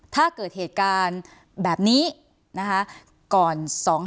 ถ้าเกิดเหตุการณ์แบบนี้นะคะก่อน